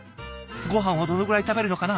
ごはんはどのぐらい食べるのかな？